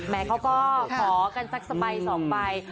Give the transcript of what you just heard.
แม่เขาก็ขอกันสักสะใบสองไป